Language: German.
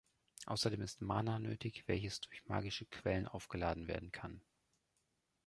Außerdem ist Mana nötig, welches durch magische Quellen aufgeladen werden kann.